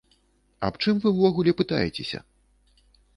Аб чым вы ўвогуле пытаецеся?!